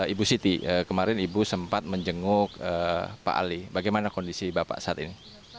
ibu siti kemarin ibu sempat menjenguk pak ali bagaimana kondisi bapak saat ini